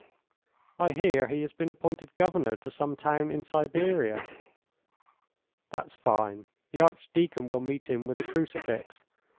"I hear he has been appointed governor to some town in Siberia." "That's fine. The archdeacon will meet him with a crucifix.